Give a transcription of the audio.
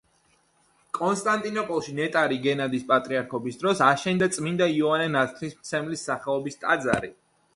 კონსტანტინოპოლში ნეტარი გენადის პატრიარქობის დროს აშენდა წმიდა იოანე ნათლისმცემლის სახელობის ტაძარი.